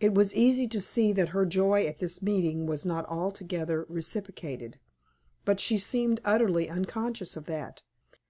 It was easy to see that her joy at this meeting was not altogether reciprocated. But she seemed utterly unconscious of that.